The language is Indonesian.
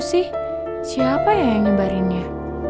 sih siapa yang nyebarinnya